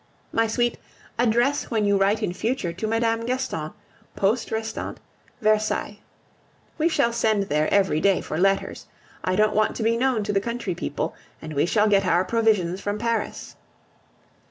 My sweet, address when you write in future to Mme. Gaston, Poste Restante, Versailles. We shall send there every day for letters. I don't want to be known to the country people, and we shall get our provisions from Paris.